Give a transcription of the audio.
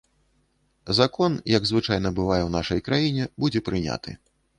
Закон, як звычайна бывае ў нашай краіне, будзе прыняты.